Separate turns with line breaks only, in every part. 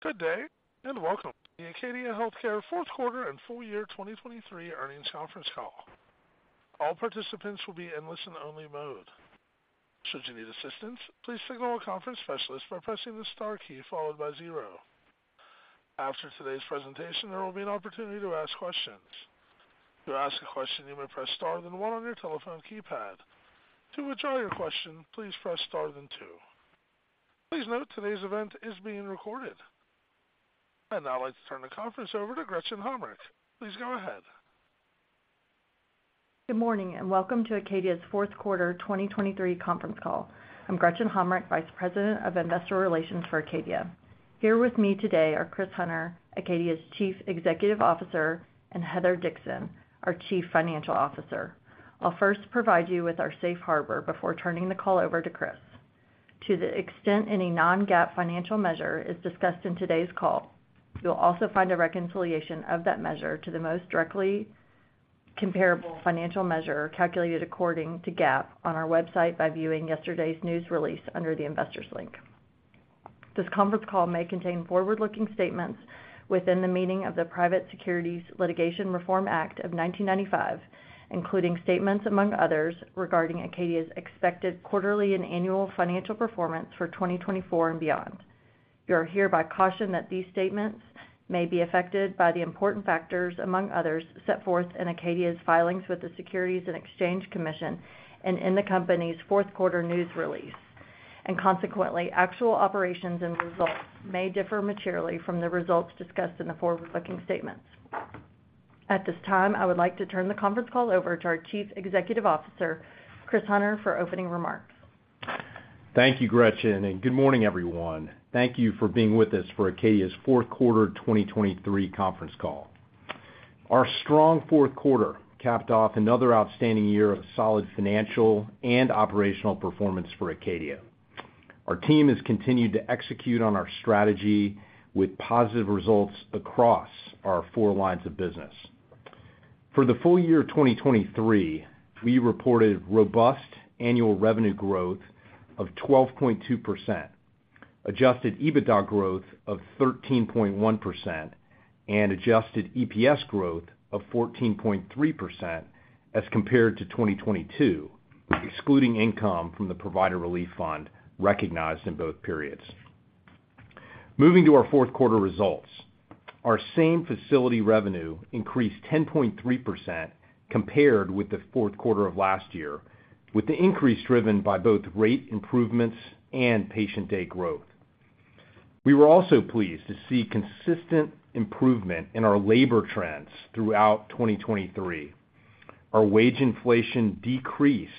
Good day and welcome to the Acadia Healthcare fourth quarter and full year 2023 earnings conference call. All participants will be in listen-only mode. Should you need assistance, please signal a conference specialist by pressing the star key followed by zero. After today's presentation, there will be an opportunity to ask questions. To ask a question, you may press star then one on your telephone keypad. To withdraw your question, please press star then two. Please note, today's event is being recorded. I'd now like to turn the conference over to Gretchen Hommrich. Please go ahead.
Good morning and welcome to Acadia's fourth quarter 2023 conference call. I'm Gretchen Hommrich, Vice President of Investor Relations for Acadia. Here with me today are Chris Hunter, Acadia's Chief Executive Officer, and Heather Dixon, our Chief Financial Officer. I'll first provide you with our safe harbor before turning the call over to Chris. To the extent any non-GAAP financial measure is discussed in today's call, you'll also find a reconciliation of that measure to the most directly comparable financial measure calculated according to GAAP on our website by viewing yesterday's news release under the investors link. This conference call may contain forward-looking statements within the meaning of the Private Securities Litigation Reform Act of 1995, including statements, among others, regarding Acadia's expected quarterly and annual financial performance for 2024 and beyond. You are hereby cautioned that these statements may be affected by the important factors, among others, set forth in Acadia's filings with the Securities and Exchange Commission and in the company's fourth quarter news release, and consequently, actual operations and results may differ materially from the results discussed in the forward-looking statements. At this time, I would like to turn the conference call over to our Chief Executive Officer, Chris Hunter, for opening remarks.
Thank you, Gretchen, and good morning, everyone. Thank you for being with us for Acadia's fourth quarter 2023 conference call. Our strong fourth quarter capped off another outstanding year of solid financial and operational performance for Acadia. Our team has continued to execute on our strategy with positive results across our four lines of business. For the full year 2023, we reported robust annual revenue growth of 12.2%, Adjusted EBITDA growth of 13.1%, and Adjusted EPS growth of 14.3% as compared to 2022, excluding income from the Provider Relief Fund recognized in both periods. Moving to our fourth quarter results, our Same Facility Revenue increased 10.3% compared with the fourth quarter of last year, with the increase driven by both rate improvements and patient day growth. We were also pleased to see consistent improvement in our labor trends throughout 2023. Our wage inflation decreased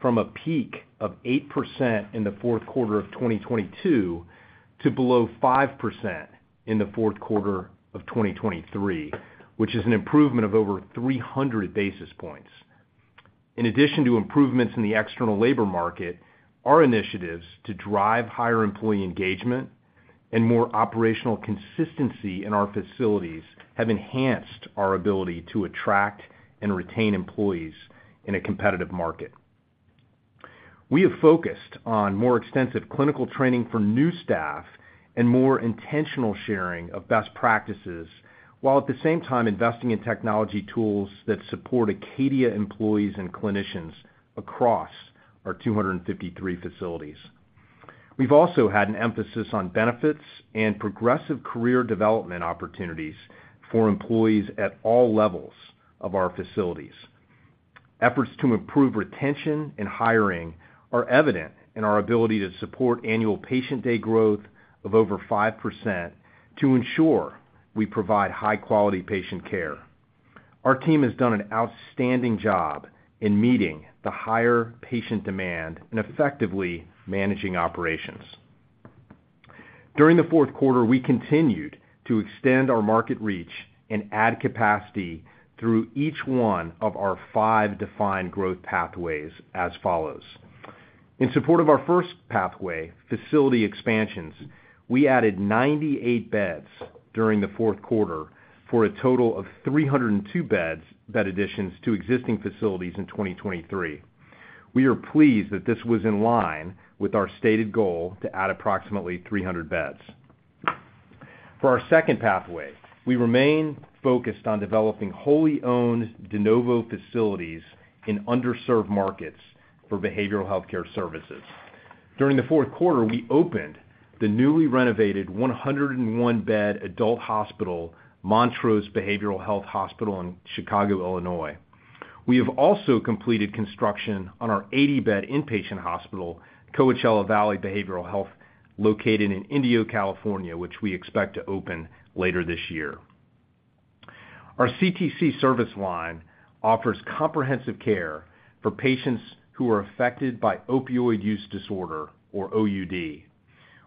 from a peak of 8% in the fourth quarter of 2022 to below 5% in the fourth quarter of 2023, which is an improvement of over 300 basis points. In addition to improvements in the external labor market, our initiatives to drive higher employee engagement and more operational consistency in our facilities have enhanced our ability to attract and retain employees in a competitive market. We have focused on more extensive clinical training for new staff and more intentional sharing of best practices, while at the same time investing in technology tools that support Acadia employees and clinicians across our 253 facilities. We've also had an emphasis on benefits and progressive career development opportunities for employees at all levels of our facilities. Efforts to improve retention and hiring are evident in our ability to support annual patient day growth of over 5% to ensure we provide high-quality patient care. Our team has done an outstanding job in meeting the higher patient demand and effectively managing operations. During the fourth quarter, we continued to extend our market reach and add capacity through each one of our five defined growth pathways as follows. In support of our first pathway, facility expansions, we added 98 beds during the fourth quarter for a total of 302 bed additions to existing facilities in 2023. We are pleased that this was in line with our stated goal to add approximately 300 beds. For our second pathway, we remain focused on developing wholly owned De Novo facilities in underserved markets for behavioral healthcare services. During the fourth quarter, we opened the newly renovated 101-bed adult hospital, Montrose Behavioral Health Hospital in Chicago, Illinois. We have also completed construction on our 80-bed inpatient hospital, Coachella Valley Behavioral Health, located in Indio, California, which we expect to open later this year. Our CTC service line offers comprehensive care for patients who are affected by opioid use disorder, or OUD.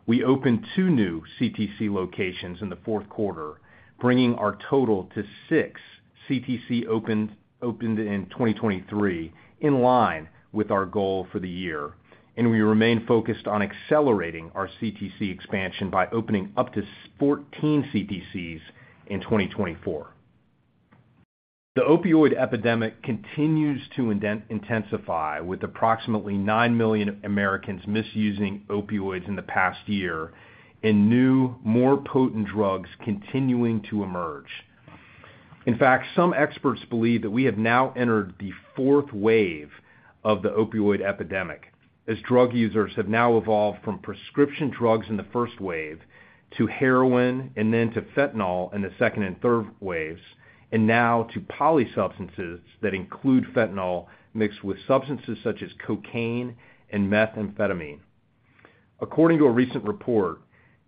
We opened two new CTC locations in the fourth quarter, bringing our total to six CTC opened in 2023 in line with our goal for the year, and we remain focused on accelerating our CTC expansion by opening up to 14 CTCs in 2024. The opioid epidemic continues to intensify, with approximately 9 million Americans misusing opioids in the past year and new, more potent drugs continuing to emerge. In fact, some experts believe that we have now entered the fourth wave of the opioid epidemic, as drug users have now evolved from prescription drugs in the first wave to heroin and then to fentanyl in the second and third waves, and now to polysubstances that include fentanyl mixed with substances such as cocaine and methamphetamine. According to a recent report,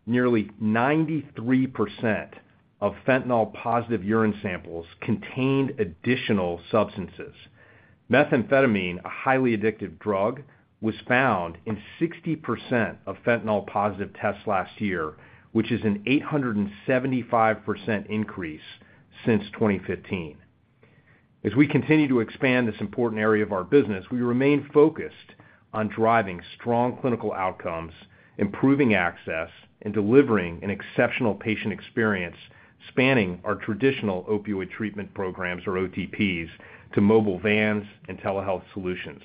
nearly 93% of fentanyl-positive urine samples contained additional substances. Methamphetamine, a highly addictive drug, was found in 60% of fentanyl-positive tests last year, which is an 875% increase since 2015. As we continue to expand this important area of our business, we remain focused on driving strong clinical outcomes, improving access, and delivering an exceptional patient experience spanning our traditional opioid treatment programs, or OTPs, to mobile vans and telehealth solutions.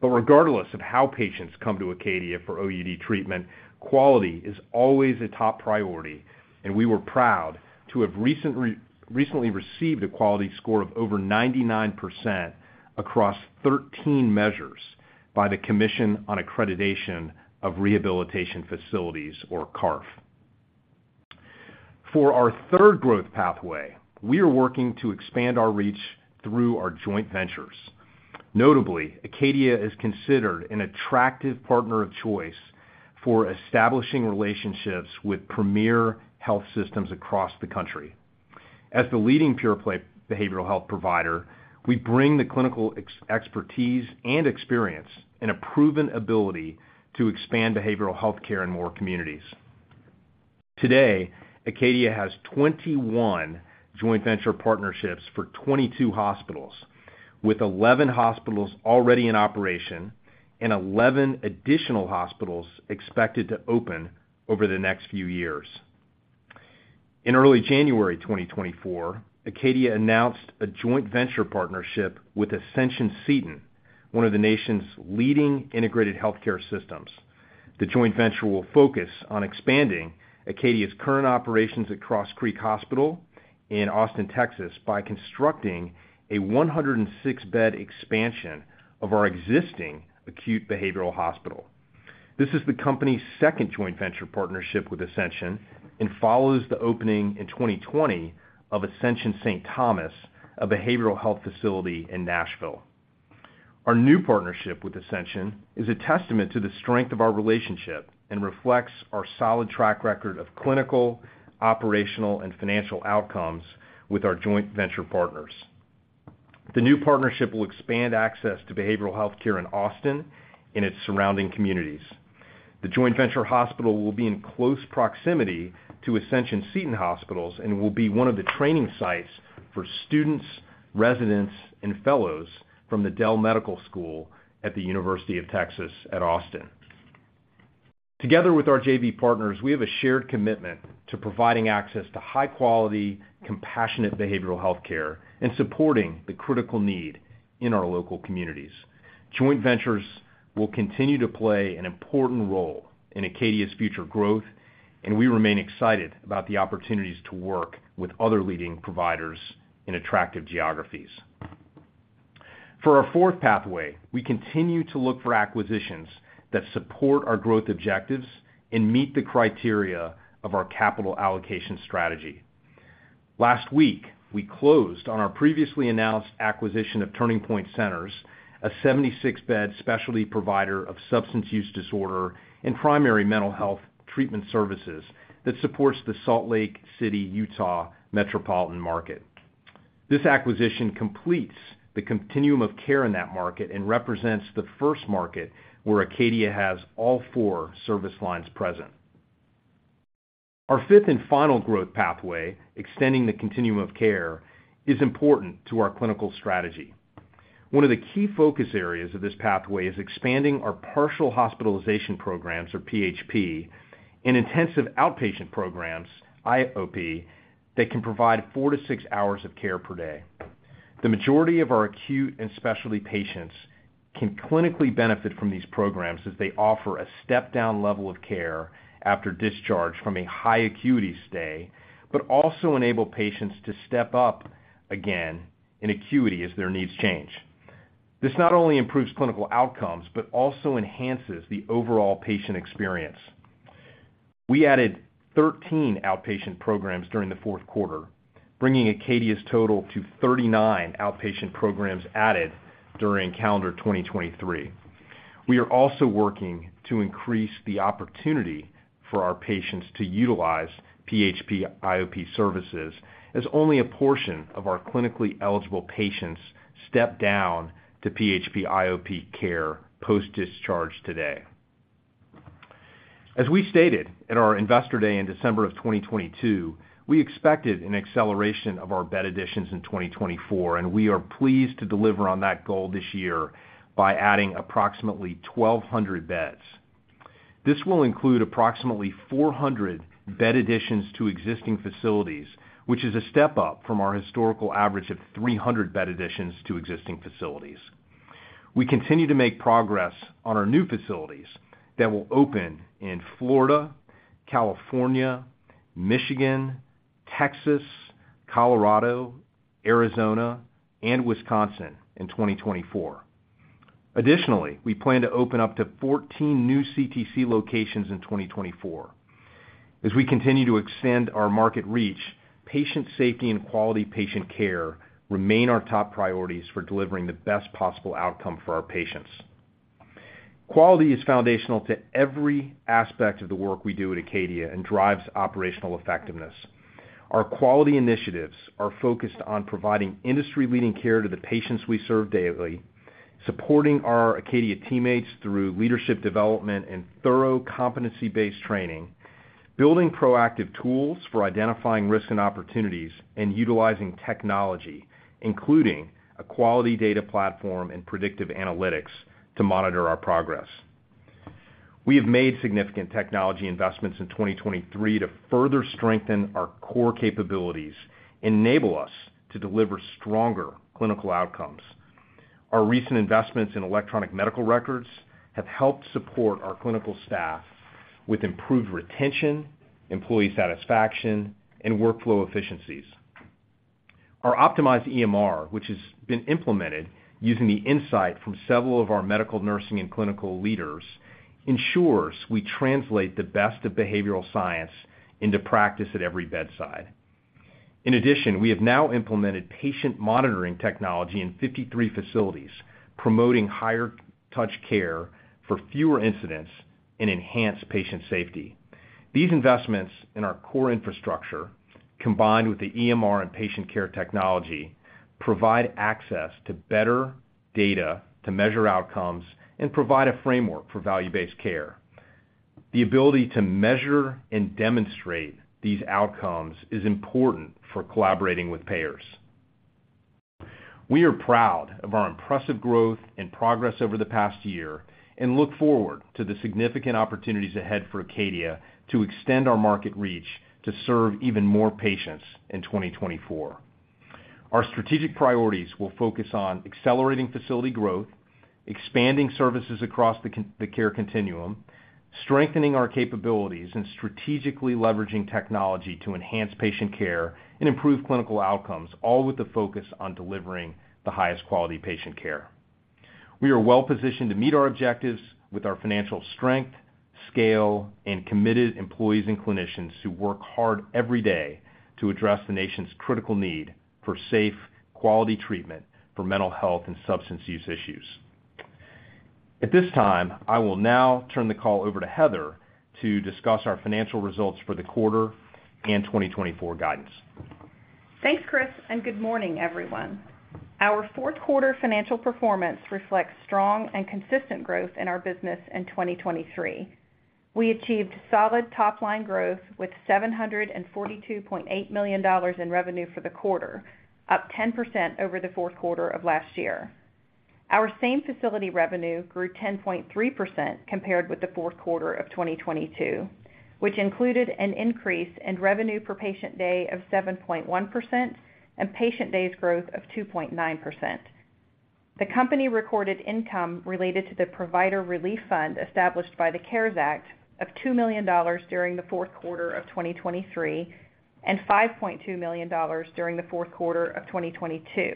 But regardless of how patients come to Acadia for OUD treatment, quality is always a top priority, and we were proud to have recently received a quality score of over 99% across 13 measures by the Commission on Accreditation of Rehabilitation Facilities, or CARF. For our third growth pathway, we are working to expand our reach through our joint ventures. Notably, Acadia is considered an attractive partner of choice for establishing relationships with premier health systems across the country. As the leading pure-play behavioral health provider, we bring the clinical expertise and experience and a proven ability to expand behavioral healthcare in more communities. Today, Acadia has 21 joint venture partnerships for 22 hospitals, with 11 hospitals already in operation and 11 additional hospitals expected to open over the next few years. In early January 2024, Acadia announced a joint venture partnership with Ascension Seton, one of the nation's leading integrated healthcare systems. The joint venture will focus on expanding Acadia's current operations at Cross Creek Hospital in Austin, Texas, by constructing a 106-bed expansion of our existing acute behavioral hospital. This is the company's second joint venture partnership with Ascension and follows the opening in 2020 of Ascension St. Thomas, a behavioral health facility in Nashville. Our new partnership with Ascension is a testament to the strength of our relationship and reflects our solid track record of clinical, operational, and financial outcomes with our joint venture partners. The new partnership will expand access to behavioral healthcare in Austin and its surrounding communities. The joint venture hospital will be in close proximity to Ascension Seton Hospitals and will be one of the training sites for students, residents, and fellows from the Dell Medical School at the University of Texas at Austin. Together with our JV partners, we have a shared commitment to providing access to high-quality, compassionate behavioral healthcare and supporting the critical need in our local communities. Joint ventures will continue to play an important role in Acadia's future growth, and we remain excited about the opportunities to work with other leading providers in attractive geographies. For our fourth pathway, we continue to look for acquisitions that support our growth objectives and meet the criteria of our capital allocation strategy. Last week, we closed on our previously announced acquisition of Turning Point Centers, a 76-bed specialty provider of substance use disorder and primary mental health treatment services that supports the Salt Lake City, Utah metropolitan market. This acquisition completes the continuum of care in that market and represents the first market where Acadia has all four service lines present. Our fifth and final growth pathway, extending the continuum of care, is important to our clinical strategy. One of the key focus areas of this pathway is expanding our partial hospitalization programs, or PHP, and intensive outpatient programs, IOP, that can provide four to six hours of care per day. The majority of our acute and specialty patients can clinically benefit from these programs as they offer a step-down level of care after discharge from a high acuity stay, but also enable patients to step up again in acuity as their needs change. This not only improves clinical outcomes but also enhances the overall patient experience. We added 13 outpatient programs during the fourth quarter, bringing Acadia's total to 39 outpatient programs added during calendar 2023. We are also working to increase the opportunity for our patients to utilize PHP, IOP services, as only a portion of our clinically eligible patients step down to PHP, IOP care post-discharge today. As we stated at our investor day in December of 2022, we expected an acceleration of our bed additions in 2024, and we are pleased to deliver on that goal this year by adding approximately 1,200 beds. This will include approximately 400 bed additions to existing facilities, which is a step up from our historical average of 300 bed additions to existing facilities. We continue to make progress on our new facilities that will open in Florida, California, Michigan, Texas, Colorado, Arizona, and Wisconsin in 2024. Additionally, we plan to open up to 14 new CTC locations in 2024. As we continue to extend our market reach, patient safety and quality patient care remain our top priorities for delivering the best possible outcome for our patients. Quality is foundational to every aspect of the work we do at Acadia and drives operational effectiveness. Our quality initiatives are focused on providing industry-leading care to the patients we serve daily, supporting our Acadia teammates through leadership development and thorough competency-based training, building proactive tools for identifying risks and opportunities, and utilizing technology, including a quality data platform and predictive analytics, to monitor our progress. We have made significant technology investments in 2023 to further strengthen our core capabilities and enable us to deliver stronger clinical outcomes. Our recent investments in electronic medical records have helped support our clinical staff with improved retention, employee satisfaction, and workflow efficiencies. Our optimized EMR, which has been implemented using the insight from several of our medical, nursing, and clinical leaders, ensures we translate the best of behavioral science into practice at every bedside. In addition, we have now implemented patient monitoring technology in 53 facilities, promoting higher touch care for fewer incidents and enhanced patient safety. These investments in our core infrastructure, combined with the EMR and patient care technology, provide access to better data to measure outcomes and provide a framework for value-based care. The ability to measure and demonstrate these outcomes is important for collaborating with payers. We are proud of our impressive growth and progress over the past year and look forward to the significant opportunities ahead for Acadia to extend our market reach to serve even more patients in 2024. Our strategic priorities will focus on accelerating facility growth, expanding services across the care continuum, strengthening our capabilities, and strategically leveraging technology to enhance patient care and improve clinical outcomes, all with the focus on delivering the highest quality patient care. We are well positioned to meet our objectives with our financial strength, scale, and committed employees and clinicians who work hard every day to address the nation's critical need for safe, quality treatment for mental health and substance use issues. At this time, I will now turn the call over to Heather to discuss our financial results for the quarter and 2024 guidance.
Thanks, Chris, and good morning, everyone. Our fourth quarter financial performance reflects strong and consistent growth in our business in 2023. We achieved solid top-line growth with $742.8 million in revenue for the quarter, up 10% over the fourth quarter of last year. Our Same Facility Revenue grew 10.3% compared with the fourth quarter of 2022, which included an increase in revenue per patient day of 7.1% and patient days' growth of 2.9%. The company recorded income related to the Provider Relief Fund established by the CARES Act of $2 million during the fourth quarter of 2023 and $5.2 million during the fourth quarter of 2022,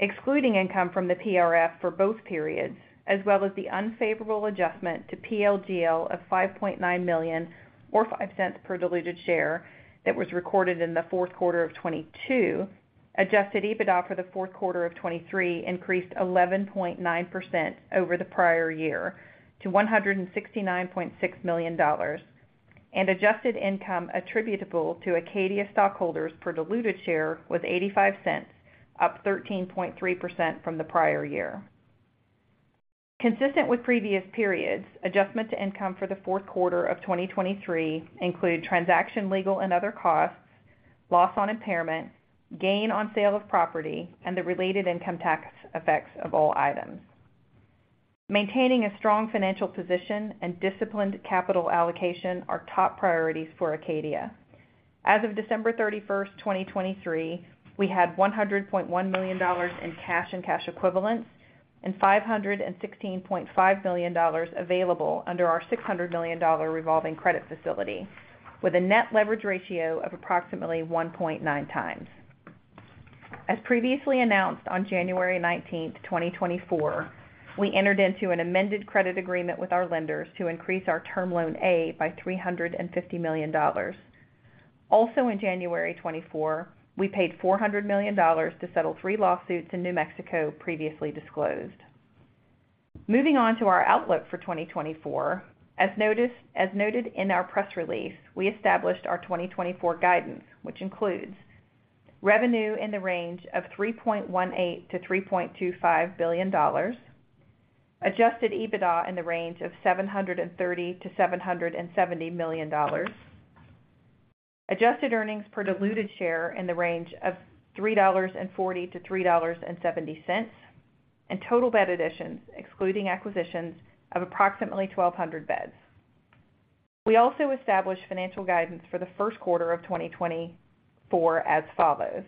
excluding income from the PRF for both periods, as well as the unfavorable adjustment to PL/GL of $5.9 million or $0.05 per diluted share that was recorded in the fourth quarter of 2022, adjusted EBITDA for the fourth quarter of 2023 increased 11.9% over the prior year to $169.6 million, and adjusted income attributable to Acadia stockholders per diluted share was $0.85, up 13.3% from the prior year. Consistent with previous periods, adjustment to income for the fourth quarter of 2023 includes transaction legal and other costs, loss on impairment, gain on sale of property, and the related income tax effects of all items. Maintaining a strong financial position and disciplined capital allocation are top priorities for Acadia. As of December 31, 2023, we had $100.1 million in cash and cash equivalents and $516.5 million available under our $600 million revolving credit facility, with a net leverage ratio of approximately 1.9x. As previously announced on January 19th, 2024, we entered into an amended credit agreement with our lenders to increase our Term Loan A by $350 million. Also in January 2024, we paid $400 million to settle three lawsuits in New Mexico previously disclosed. Moving on to our outlook for 2024, as noted in our press release, we established our 2024 guidance, which includes revenue in the range of $3.18 billion-$3.25 billion, Adjusted EBITDA in the range of $730 million-$770 million, adjusted earnings per diluted share in the range of $3.40-$3.70, and total bed additions, excluding acquisitions, of approximately 1,200 beds. We also established financial guidance for the first quarter of 2024 as follows: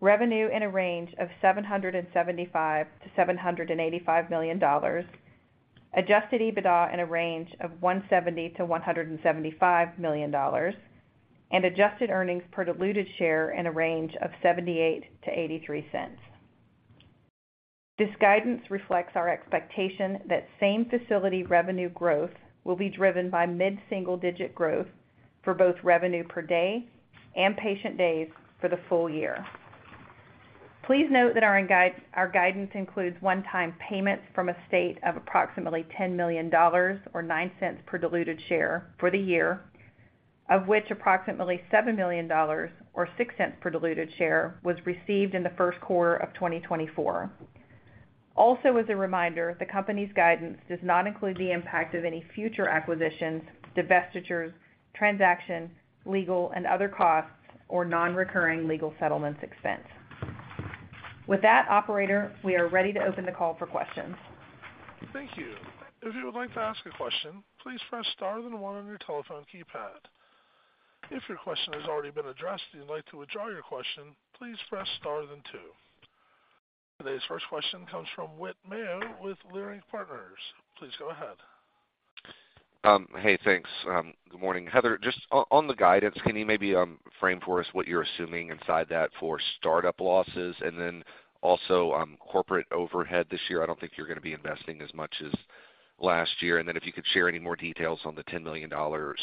revenue in a range of $775 million-$785 million, Adjusted EBITDA in a range of $170 million-$175 million, and adjusted earnings per diluted share in a range of $0.78-$0.83. This guidance reflects our expectation that Same Facility Revenue growth will be driven by mid-single-digit growth for both revenue per day and patient days for the full year. Please note that our guidance includes one-time payments from a state of approximately $10 million or $0.09 per diluted share for the year, of which approximately $7 million or $0.06 per diluted share was received in the first quarter of 2024. Also, as a reminder, the company's guidance does not include the impact of any future acquisitions, divestitures, transaction legal, and other costs or non-recurring legal settlements expense. With that, operator, we are ready to open the call for questions.
Thank you. If you would like to ask a question, please press star, then one on your telephone keypad. If your question has already been addressed and you'd like to withdraw your question, please press star, then two. Today's first question comes from Whit Mayo with Leerink Partners. Please go ahead.
Hey, thanks. Good morning, Heather. Just on the guidance, can you maybe frame for us what you're assuming inside that for startup losses and then also corporate overhead this year? I don't think you're going to be investing as much as last year. And then if you could share any more details on the $10 million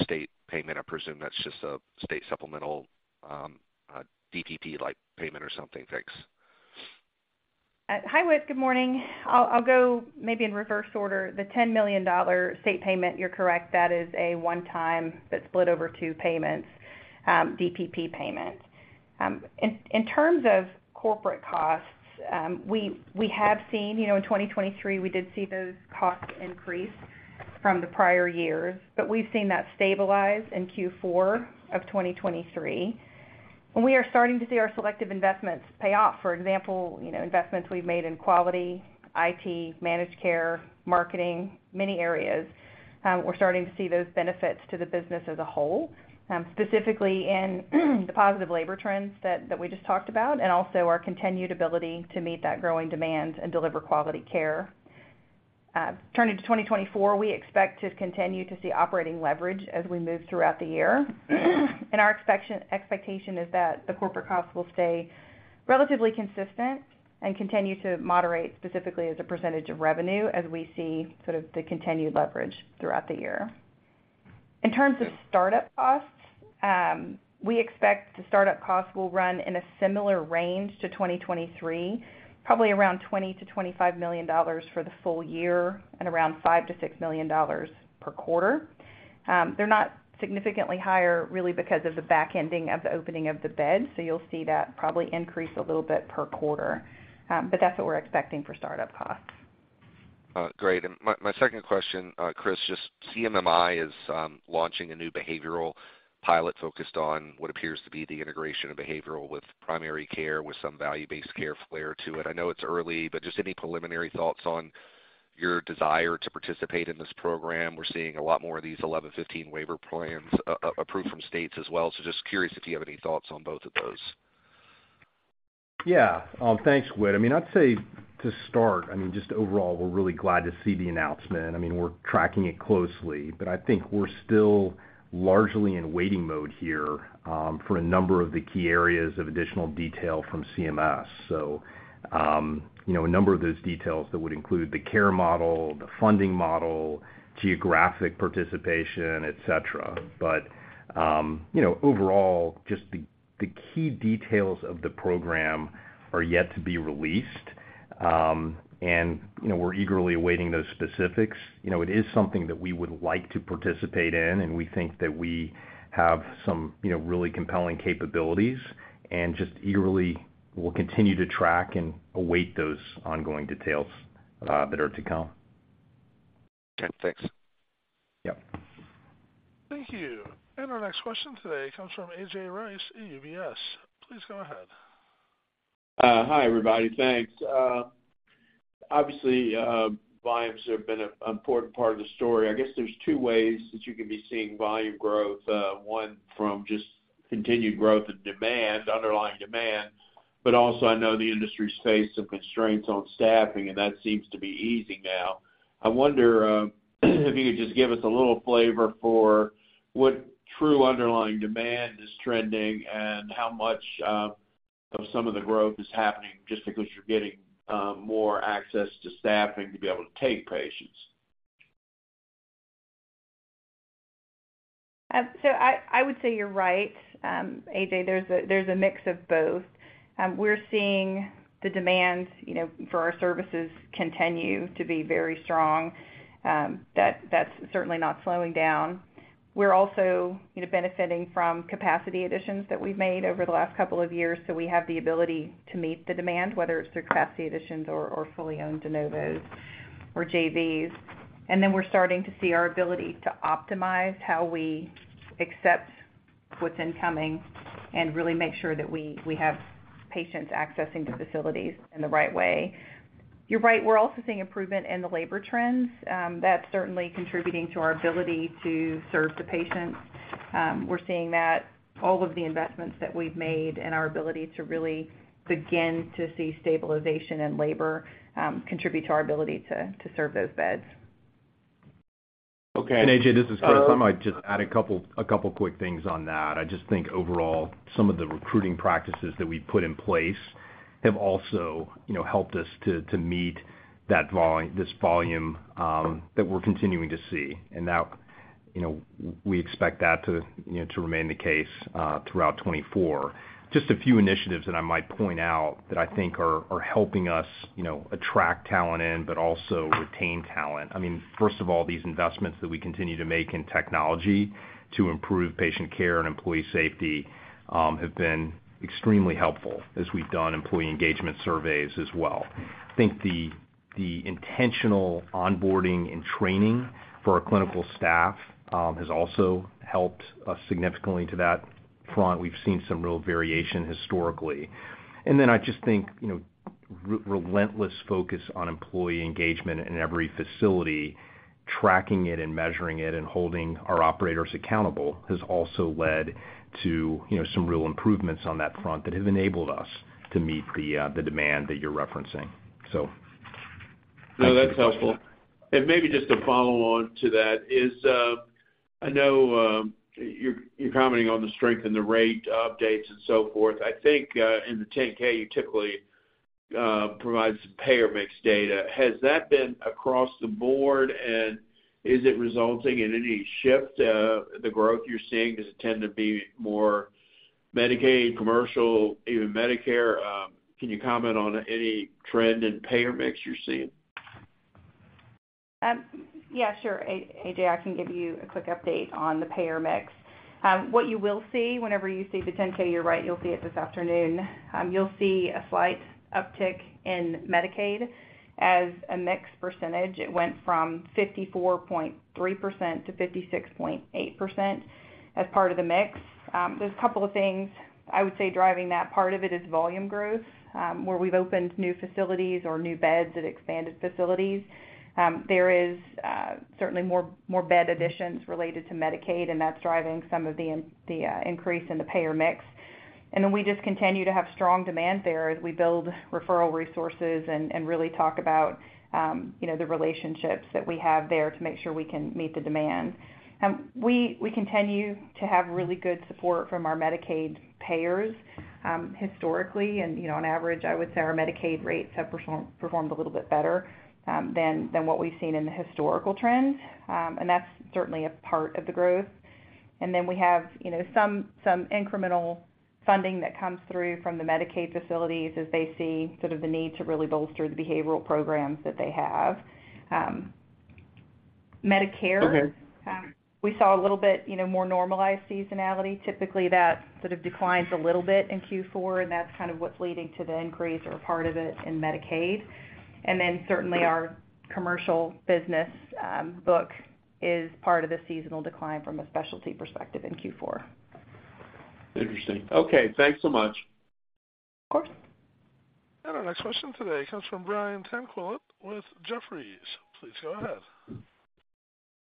state payment, I presume that's just a state supplemental DPP-like payment or something? Thanks.
Hi, Whit. Good morning. I'll go maybe in reverse order. The $10 million state payment, you're correct. That is a one-time that's split over two payments, DPP payments. In terms of corporate costs, we have seen in 2023, we did see those costs increase from the prior years, but we've seen that stabilize in Q4 of 2023. We are starting to see our selective investments pay off. For example, investments we've made in quality, IT, managed care, marketing, many areas. We're starting to see those benefits to the business as a whole, specifically in the positive labor trends that we just talked about and also our continued ability to meet that growing demand and deliver quality care. Turning to 2024, we expect to continue to see operating leverage as we move throughout the year. Our expectation is that the corporate costs will stay relatively consistent and continue to moderate specifically as a percentage of revenue as we see sort of the continued leverage throughout the year. In terms of startup costs, we expect the startup costs will run in a similar range to 2023, probably around $20 million-$25 million for the full year and around $5 million-$6 million per quarter. They're not significantly higher really because of the backending of the opening of the beds, so you'll see that probably increase a little bit per quarter. That's what we're expecting for startup costs.
Great. And my second question, Chris, just CMMI is launching a new behavioral pilot focused on what appears to be the integration of behavioral with primary care with some value-based care flair to it. I know it's early, but just any preliminary thoughts on your desire to participate in this program? We're seeing a lot more of these 1115 waiver plans approved from states as well. So just curious if you have any thoughts on both of those.
Yeah. Thanks, Whit. I mean, I'd say to start, I mean, just overall, we're really glad to see the announcement. I mean, we're tracking it closely. But I think we're still largely in waiting mode here for a number of the key areas of additional detail from CMS. So a number of those details that would include the care model, the funding model, geographic participation, etc. But overall, just the key details of the program are yet to be released, and we're eagerly awaiting those specifics. It is something that we would like to participate in, and we think that we have some really compelling capabilities. And just eagerly, we'll continue to track and await those ongoing details that are to come.
Okay. Thanks.
Yep.
Thank you. Our next question today comes from A.J. Rice at UBS. Please go ahead.
Hi, everybody. Thanks. Obviously, volumes have been an important part of the story. I guess there's two ways that you can be seeing volume growth, one from just continued growth and demand, underlying demand. But also, I know the industry's faced some constraints on staffing, and that seems to be easing now. I wonder if you could just give us a little flavor for what true underlying demand is trending and how much of some of the growth is happening just because you're getting more access to staffing to be able to take patients.
So I would say you're right, AJ. There's a mix of both. We're seeing the demand for our services continue to be very strong. That's certainly not slowing down. We're also benefiting from capacity additions that we've made over the last couple of years, so we have the ability to meet the demand, whether it's through capacity additions or fully-owned De Novos or JVs. And then we're starting to see our ability to optimize how we accept what's incoming and really make sure that we have patients accessing the facilities in the right way. You're right. We're also seeing improvement in the labor trends. That's certainly contributing to our ability to serve the patients. We're seeing that all of the investments that we've made and our ability to really begin to see stabilization in labor contribute to our ability to serve those beds.
Okay. And A.J., this is Chris. I might just add a couple quick things on that. I just think overall, some of the recruiting practices that we've put in place have also helped us to meet this volume that we're continuing to see. And now we expect that to remain the case throughout 2024. Just a few initiatives that I might point out that I think are helping us attract talent in but also retain talent. I mean, first of all, these investments that we continue to make in technology to improve patient care and employee safety have been extremely helpful as we've done employee engagement surveys as well. I think the intentional onboarding and training for our clinical staff has also helped us significantly to that front. We've seen some real variation historically. And then I just think relentless focus on employee engagement in every facility, tracking it and measuring it and holding our operators accountable, has also led to some real improvements on that front that have enabled us to meet the demand that you're referencing, so.
No, that's helpful. Maybe just a follow-on to that is I know you're commenting on the strength and the rate updates and so forth. I think in the 10-K, you typically provide some payer mix data. Has that been across the board, and is it resulting in any shift? The growth you're seeing, does it tend to be more Medicaid, commercial, even Medicare? Can you comment on any trend in payer mix you're seeing?
Yeah, sure. AJ, I can give you a quick update on the payer mix. What you will see whenever you see the 10-K, you're right, you'll see it this afternoon. You'll see a slight uptick in Medicaid as a mixed percentage. It went from 54.3%-56.8% as part of the mix. There's a couple of things, I would say, driving that. Part of it is volume growth where we've opened new facilities or new beds at expanded facilities. There is certainly more bed additions related to Medicaid, and that's driving some of the increase in the payer mix. Then we just continue to have strong demand there as we build referral resources and really talk about the relationships that we have there to make sure we can meet the demand. We continue to have really good support from our Medicaid payers historically. On average, I would say our Medicaid rates have performed a little bit better than what we've seen in the historical trends. That's certainly a part of the growth. Then we have some incremental funding that comes through from the Medicaid facilities as they see sort of the need to really bolster the behavioral programs that they have. Medicare, we saw a little bit more normalized seasonality. Typically, that sort of declines a little bit in Q4, and that's kind of what's leading to the increase or a part of it in Medicaid. Then certainly, our commercial business book is part of the seasonal decline from a specialty perspective in Q4.
Interesting. Okay. Thanks so much.
Of course.
Our next question today comes from Brian Tanquilut with Jefferies. Please go ahead.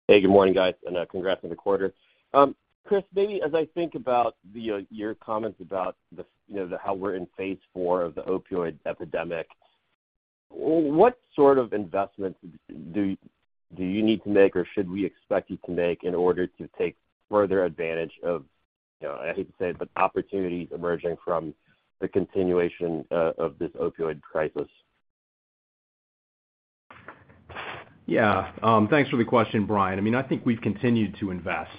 Hey, good morning, guys, and congrats on the quarter. Chris, maybe as I think about your comments about how we're in phase four of the opioid epidemic, what sort of investments do you need to make or should we expect you to make in order to take further advantage of, I hate to say it, but opportunities emerging from the continuation of this opioid crisis?
Yeah. Thanks for the question, Brian. I mean, I think we've continued to invest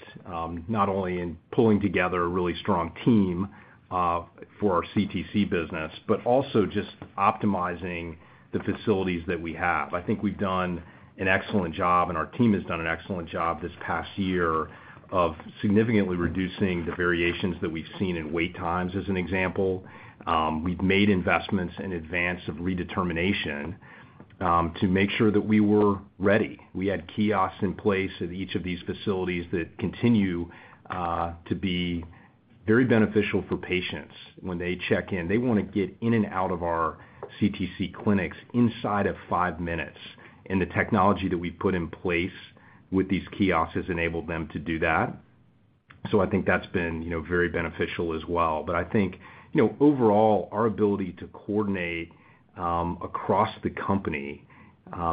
not only in pulling together a really strong team for our CTC business but also just optimizing the facilities that we have. I think we've done an excellent job, and our team has done an excellent job this past year of significantly reducing the variations that we've seen in wait times, as an example. We've made investments in advance of redetermination to make sure that we were ready. We had kiosks in place at each of these facilities that continue to be very beneficial for patients when they check in. They want to get in and out of our CTC clinics inside of five minutes. And the technology that we've put in place with these kiosks has enabled them to do that. So I think that's been very beneficial as well. But I think overall, our ability to coordinate across the company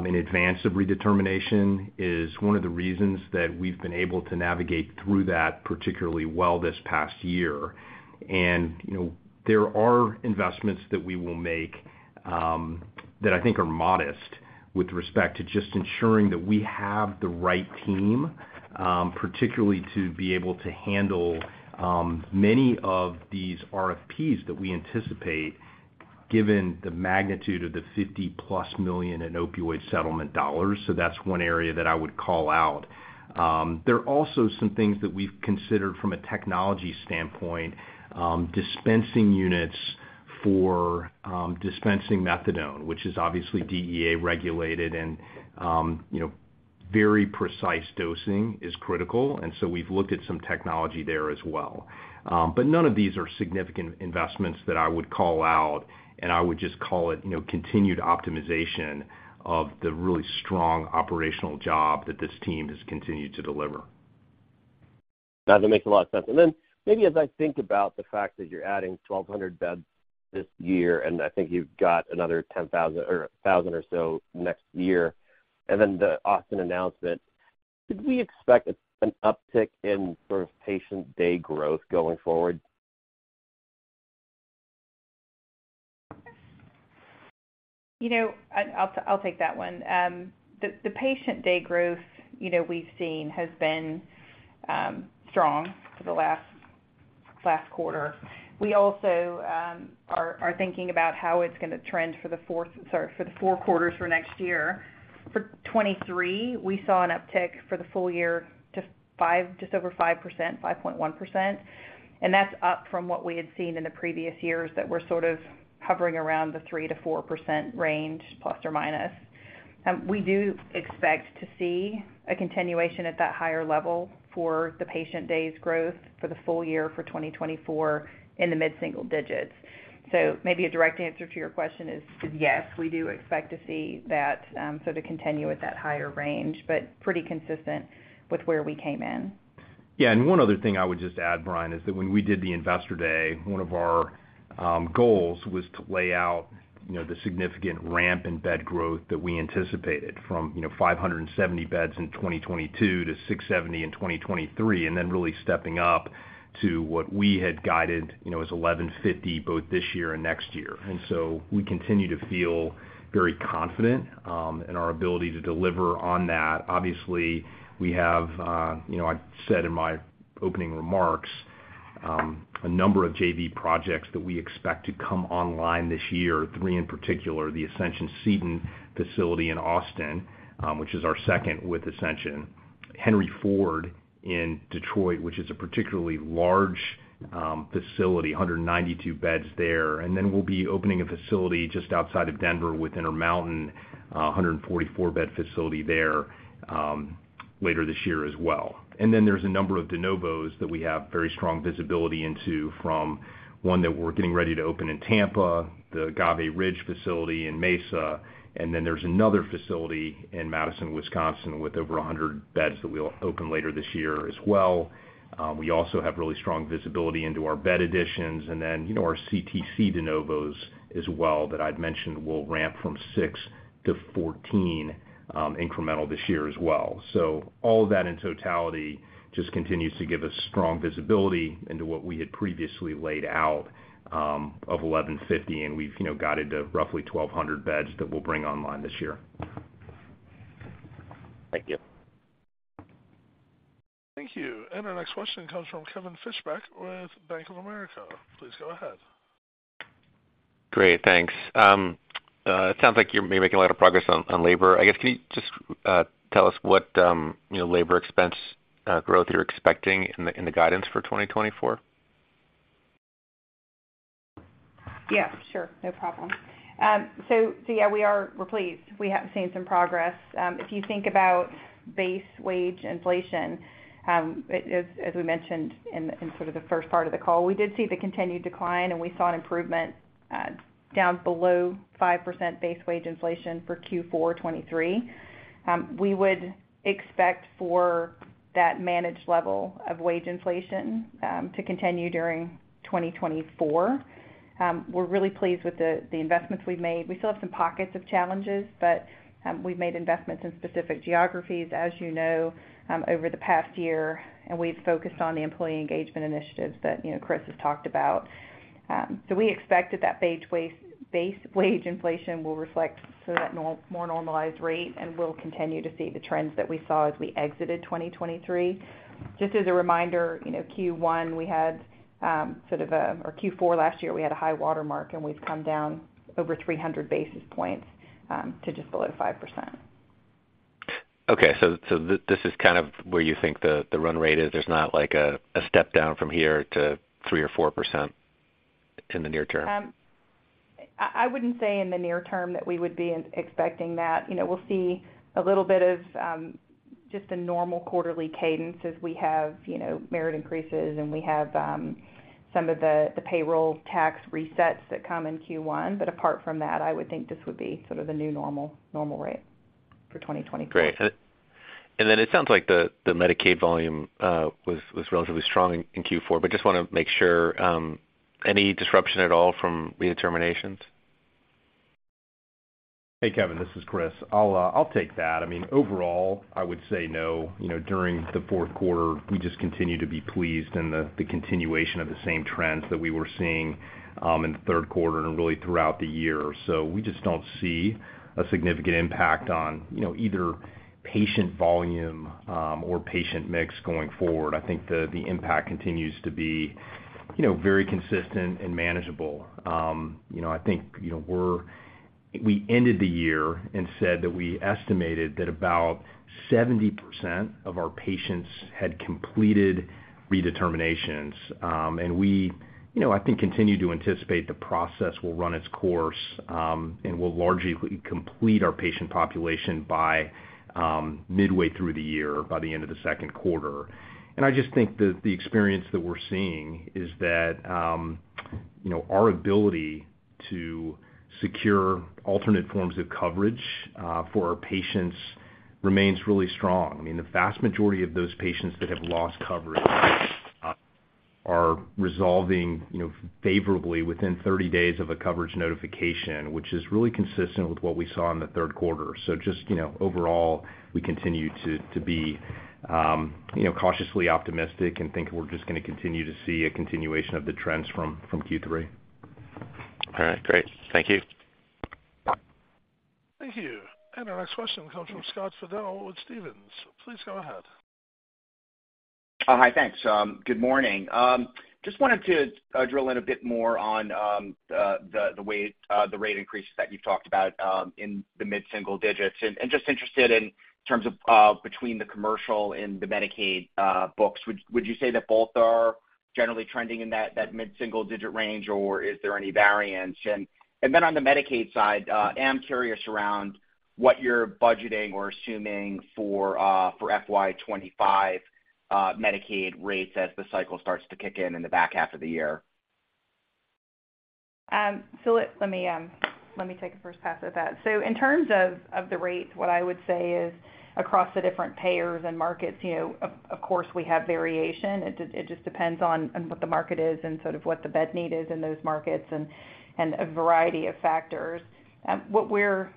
in advance of redetermination is one of the reasons that we've been able to navigate through that particularly well this past year. And there are investments that we will make that I think are modest with respect to just ensuring that we have the right team, particularly to be able to handle many of these RFPs that we anticipate given the magnitude of the $50+ million in opioid settlement dollars. So that's one area that I would call out. There are also some things that we've considered from a technology standpoint, dispensing units for dispensing methadone, which is obviously DEA-regulated, and very precise dosing is critical. And so we've looked at some technology there as well. But none of these are significant investments that I would call out, and I would just call it continued optimization of the really strong operational job that this team has continued to deliver.
That makes a lot of sense. Then maybe as I think about the fact that you're adding 1,200 beds this year, and I think you've got another 1,000 or so next year, and then the Austin announcement, did we expect an uptick in sort of patient day growth going forward?
I'll take that one. The patient day growth we've seen has been strong for the last quarter. We also are thinking about how it's going to trend for the fourth sorry, for the four quarters for next year. For 2023, we saw an uptick for the full year to just over 5%, 5.1%. And that's up from what we had seen in the previous years that were sort of hovering around the 3%-4% range, plus or minus. We do expect to see a continuation at that higher level for the patient days growth for the full year for 2024 in the mid-single digits. So maybe a direct answer to your question is yes, we do expect to see that sort of continue at that higher range, but pretty consistent with where we came in.
Yeah. And one other thing I would just add, Brian, is that when we did the investor day, one of our goals was to lay out the significant ramp in bed growth that we anticipated from 570 beds in 2022 to 670 in 2023, and then really stepping up to what we had guided as 1,150 both this year and next year. And so we continue to feel very confident in our ability to deliver on that. Obviously, we have, I said in my opening remarks, a number of JV projects that we expect to come online this year, three in particular, the Ascension Seton facility in Austin, which is our second with Ascension, Henry Ford in Detroit, which is a particularly large facility, 192 beds there. And then we'll be opening a facility just outside of Denver with Intermountain, 144-bed facility there later this year as well. Then there's a number of De Novos that we have very strong visibility into from one that we're getting ready to open in Tampa, the Agave Ridge facility in Mesa. And then there's another facility in Madison, Wisconsin, with over 100 beds that we'll open later this year as well. We also have really strong visibility into our bed additions and then our CTC De Novos as well that I'd mentioned will ramp from 6 to 14 incremental this year as well. So all of that in totality just continues to give us strong visibility into what we had previously laid out of 1,150, and we've guided to roughly 1,200 beds that we'll bring online this year.
Thank you.
Thank you. Our next question comes from Kevin Fischbeck with Bank of America. Please go ahead.
Great. Thanks. It sounds like you're making a lot of progress on labor. I guess, can you just tell us what labor expense growth you're expecting in the guidance for 2024?
Yeah, sure. No problem. So yeah, we're pleased. We have seen some progress. If you think about base wage inflation, as we mentioned in sort of the first part of the call, we did see the continued decline, and we saw an improvement down below 5% base wage inflation for Q4 2023. We would expect for that managed level of wage inflation to continue during 2024. We're really pleased with the investments we've made. We still have some pockets of challenges, but we've made investments in specific geographies, as you know, over the past year, and we've focused on the employee engagement initiatives that Chris has talked about. So we expect that that base wage inflation will reflect sort of that more normalized rate and will continue to see the trends that we saw as we exited 2023. Just as a reminder, Q4 last year, we had a high watermark, and we've come down over 300 basis points to just below 5%.
Okay. So this is kind of where you think the run rate is. There's not a step down from here to 3% or 4% in the near term?
I wouldn't say in the near term that we would be expecting that. We'll see a little bit of just a normal quarterly cadence as we have merit increases and we have some of the payroll tax resets that come in Q1. But apart from that, I would think this would be sort of the new normal rate for 2024.
Great. Then it sounds like the Medicaid volume was relatively strong in Q4, but just want to make sure, any disruption at all from redeterminations?
Hey, Kevin. This is Chris. I'll take that. I mean, overall, I would say no. During the fourth quarter, we just continue to be pleased in the continuation of the same trends that we were seeing in the third quarter and really throughout the year. So we just don't see a significant impact on either patient volume or patient mix going forward. I think the impact continues to be very consistent and manageable. I think we ended the year and said that we estimated that about 70% of our patients had completed redeterminations. And we, I think, continue to anticipate the process will run its course and we'll largely complete our patient population by midway through the year, by the end of the second quarter. I just think that the experience that we're seeing is that our ability to secure alternate forms of coverage for our patients remains really strong. I mean, the vast majority of those patients that have lost coverage are resolving favorably within 30 days of a coverage notification, which is really consistent with what we saw in the third quarter. Just overall, we continue to be cautiously optimistic and think we're just going to continue to see a continuation of the trends from Q3.
All right. Great. Thank you.
Thank you. Our next question comes from Scott Fidel with Stephens. Please go ahead.
Hi. Thanks. Good morning. Just wanted to drill in a bit more on the rate increases that you've talked about in the mid-single digits and just interested in terms of between the commercial and the Medicaid books. Would you say that both are generally trending in that mid-single digit range, or is there any variance? And then on the Medicaid side, I'm curious around what you're budgeting or assuming for FY 2025 Medicaid rates as the cycle starts to kick in in the back half of the year.
Let me take a first pass at that. In terms of the rates, what I would say is across the different payers and markets, of course, we have variation. It just depends on what the market is and sort of what the bed need is in those markets and a variety of factors. What we're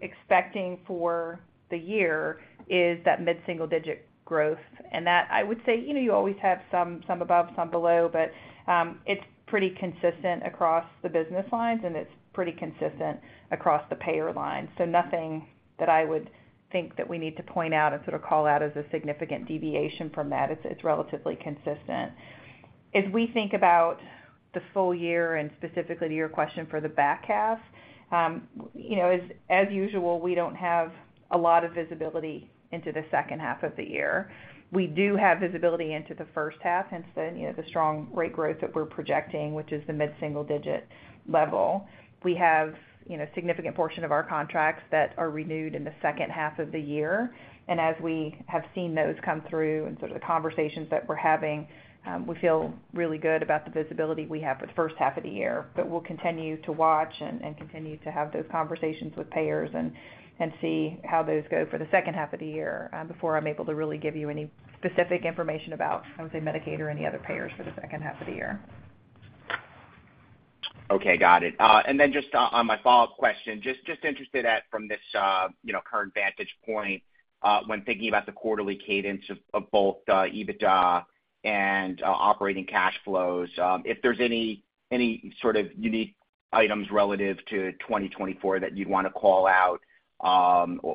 expecting for the year is that mid-single digit growth. I would say you always have some above, some below, but it's pretty consistent across the business lines, and it's pretty consistent across the payer lines. Nothing that I would think that we need to point out and sort of call out as a significant deviation from that. It's relatively consistent. As we think about the full year and specifically to your question for the back half, as usual, we don't have a lot of visibility into the second half of the year. We do have visibility into the first half, hence the strong rate growth that we're projecting, which is the mid-single digit level. We have a significant portion of our contracts that are renewed in the second half of the year. As we have seen those come through and sort of the conversations that we're having, we feel really good about the visibility we have for the first half of the year. But we'll continue to watch and continue to have those conversations with payers and see how those go for the second half of the year before I'm able to really give you any specific information about, I would say, Medicaid or any other payers for the second half of the year.
Okay. Got it. And then just on my follow-up question, just interested at from this current vantage point, when thinking about the quarterly cadence of both EBITDA and operating cash flows, if there's any sort of unique items relative to 2024 that you'd want to call out,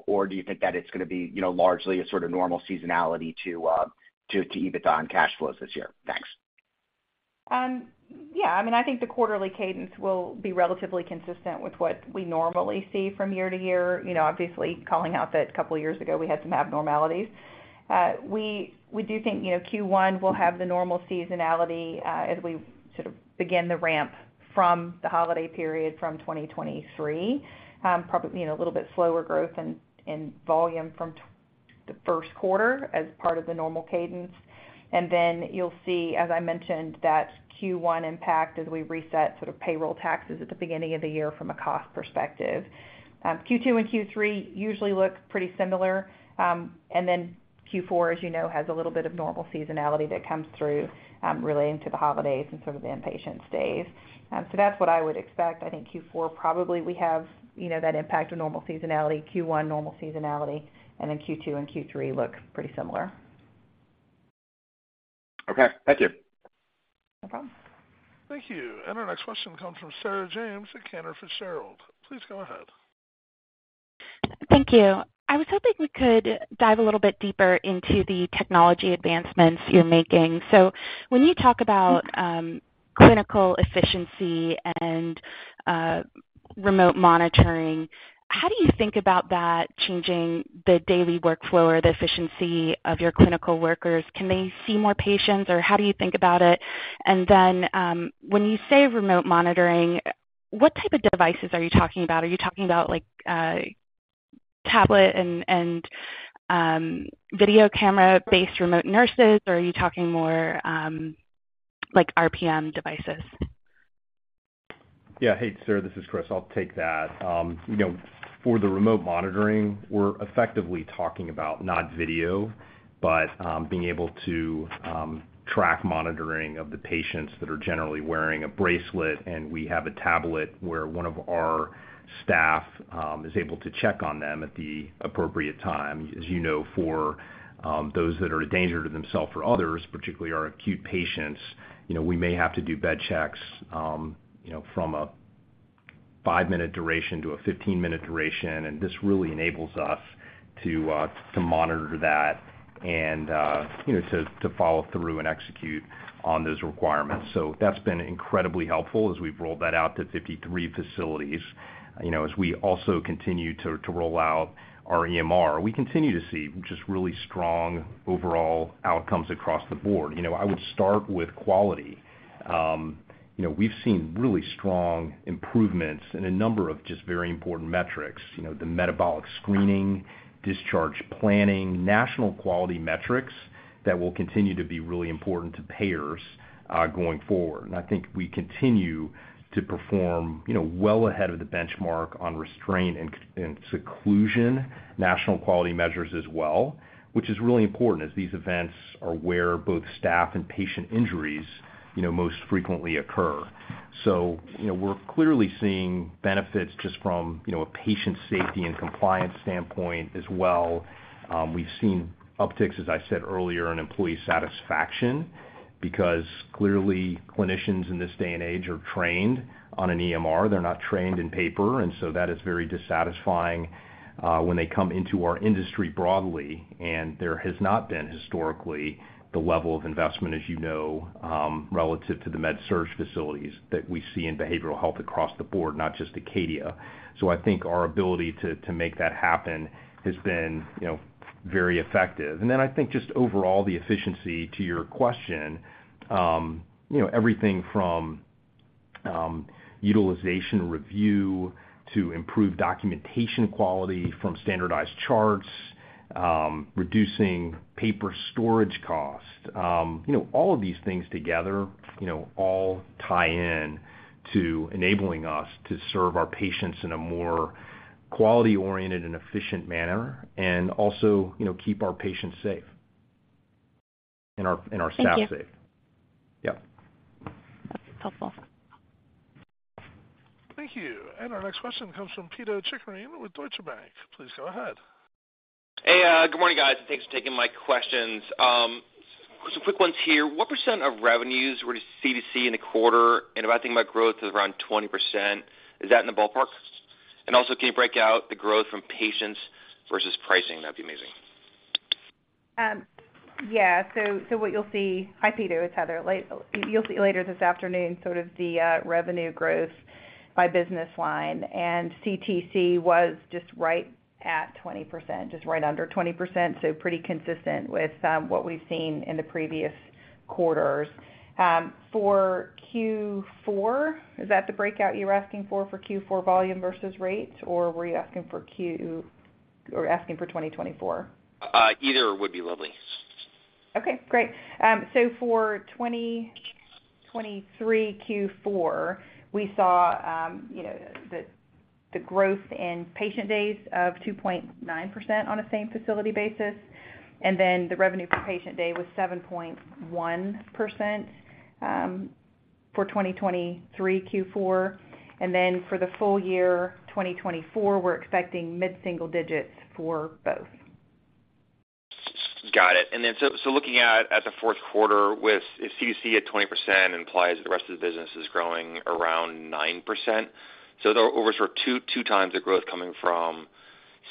or do you think that it's going to be largely a sort of normal seasonality to EBITDA on cash flows this year? Thanks.
Yeah. I mean, I think the quarterly cadence will be relatively consistent with what we normally see from year to year. Obviously, calling out that a couple of years ago, we had some abnormalities. We do think Q1 will have the normal seasonality as we sort of begin the ramp from the holiday period from 2023, probably a little bit slower growth and volume from the first quarter as part of the normal cadence. And then you'll see, as I mentioned, that Q1 impact as we reset sort of payroll taxes at the beginning of the year from a cost perspective. Q2 and Q3 usually look pretty similar. And then Q4, as you know, has a little bit of normal seasonality that comes through relating to the holidays and sort of the inpatient stays. So that's what I would expect. I think Q4, probably we have that impact of normal seasonality, Q1 normal seasonality, and then Q2 and Q3 look pretty similar.
Okay. Thank you.
No problem.
Thank you. Our next question comes from Sarah James at Cantor Fitzgerald. Please go ahead.
Thank you. I was hoping we could dive a little bit deeper into the technology advancements you're making. So when you talk about clinical efficiency and remote monitoring, how do you think about that changing the daily workflow or the efficiency of your clinical workers? Can they see more patients, or how do you think about it? And then when you say remote monitoring, what type of devices are you talking about? Are you talking about tablet and video camera-based remote nurses, or are you talking more RPM devices?
Yeah. Hey, Sarah. This is Chris. I'll take that. For the remote monitoring, we're effectively talking about not video, but being able to track monitoring of the patients that are generally wearing a bracelet. And we have a tablet where one of our staff is able to check on them at the appropriate time. As you know, for those that are a danger to themselves or others, particularly our acute patients, we may have to do bed checks from a 5-minute duration to a 15-minute duration. And this really enables us to monitor that and to follow through and execute on those requirements. So that's been incredibly helpful as we've rolled that out to 53 facilities. As we also continue to roll out our EMR, we continue to see just really strong overall outcomes across the board. I would start with quality. We've seen really strong improvements in a number of just very important metrics, the metabolic screening, discharge planning, national quality metrics that will continue to be really important to payers going forward. I think we continue to perform well ahead of the benchmark on restraint and seclusion, national quality measures as well, which is really important as these events are where both staff and patient injuries most frequently occur. So we're clearly seeing benefits just from a patient safety and compliance standpoint as well. We've seen upticks, as I said earlier, in employee satisfaction because clearly, clinicians in this day and age are trained on an EMR. They're not trained in paper. So that is very dissatisfying when they come into our industry broadly. There has not been historically the level of investment, as you know, relative to the med-surg facilities that we see in behavioral health across the board, not just Acadia. So I think our ability to make that happen has been very effective. Then I think just overall, the efficiency, to your question, everything from utilization review to improved documentation quality from standardized charts, reducing paper storage costs, all of these things together all tie in to enabling us to serve our patients in a more quality-oriented and efficient manner and also keep our patients safe and our staff safe.
Thank you.
Yep.
That's helpful.
Thank you. And our next question comes from Pito Chickering with Deutsche Bank. Please go ahead.
Hey. Good morning, guys. Thanks for taking my questions. Some quick ones here. What percent of revenues were to CTC in the quarter? And if I think about growth, it's around 20%. Is that in the ballpark? And also, can you break out the growth from patients versus pricing? That'd be amazing.
Yeah. So what you'll see—hi, Pito. It's Heather. You'll see later this afternoon sort of the revenue growth by business line. And CTC was just right at 20%, just right under 20%, so pretty consistent with what we've seen in the previous quarters. For Q4, is that the breakout you were asking for for Q4 volume versus rates, or were you asking for Q or asking for 2024?
Either would be lovely.
Okay. Great. So for 2023 Q4, we saw the growth in patient days of 2.9% on a same facility basis. And then the revenue per patient day was 7.1% for 2023 Q4. And then for the full year 2024, we're expecting mid-single digits for both.
Got it. Looking at the fourth quarter, if CTC at 20% implies that the rest of the business is growing around 9%, so over sort of 2x the growth coming from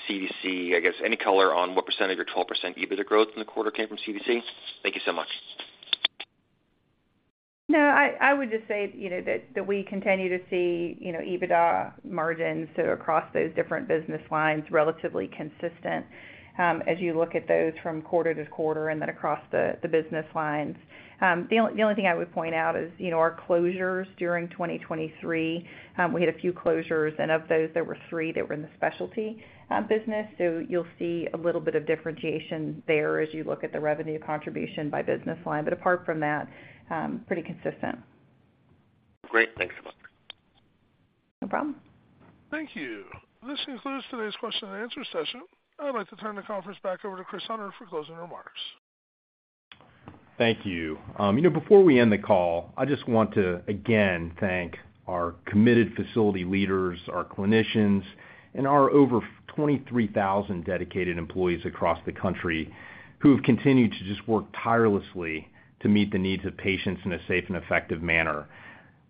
CTC, I guess, any color on what percent of your 12% EBITDA growth in the quarter came from CTC? Thank you so much.
No. I would just say that we continue to see EBITDA margins across those different business lines relatively consistent as you look at those from quarter to quarter and then across the business lines. The only thing I would point out is our closures during 2023. We had a few closures. And of those, there were three that were in the specialty business. So you'll see a little bit of differentiation there as you look at the revenue contribution by business line. But apart from that, pretty consistent.
Great. Thanks so much.
No problem.
Thank you. This concludes today's question and answer session. I'd like to turn the conference back over to Chris Hunter for closing remarks.
Thank you. Before we end the call, I just want to, again, thank our committed facility leaders, our clinicians, and our over 23,000 dedicated employees across the country who have continued to just work tirelessly to meet the needs of patients in a safe and effective manner.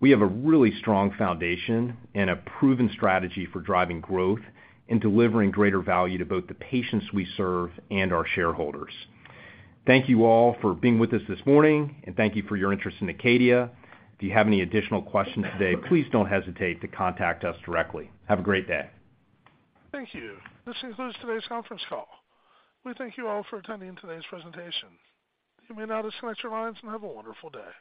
We have a really strong foundation and a proven strategy for driving growth and delivering greater value to both the patients we serve and our shareholders. Thank you all for being with us this morning, and thank you for your interest in Acadia. If you have any additional questions today, please don't hesitate to contact us directly. Have a great day.
Thank you. This concludes today's conference call. We thank you all for attending today's presentation. You may now disconnect your lines and have a wonderful day.